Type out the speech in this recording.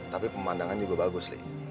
tapi pemandangannya juga bagus li